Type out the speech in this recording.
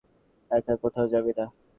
একা কোথাও যাবি না।